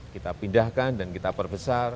kita pindahkan dan kita perbesar